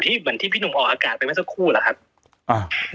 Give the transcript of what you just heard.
เหมือนที่พี่หนุ่มออกอากาศไปเมื่อสักครู่เหรอครับอ่า